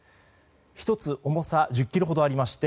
１つ重さ１０ｋｇほどありまして